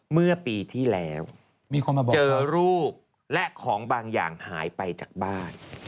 เมื่อปีที่แล้วมีคนมาบอกเจอรูปและของบางอย่างหายไปจากบ้าน